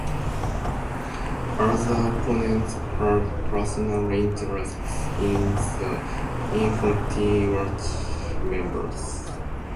Other opponents had personal interests in the Infinity Watch members.